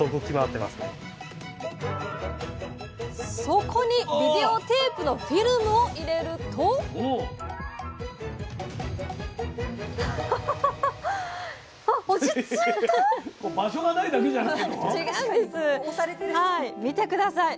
そこにビデオテープのフィルムを入れると見て下さい！